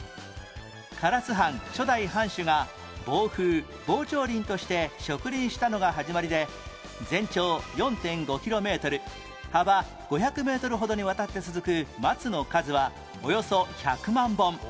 唐津藩初代藩主が防風・防潮林として植林したのが始まりで全長 ４．５ キロメートル幅５００メートルほどにわたって続く松の数はおよそ１００万本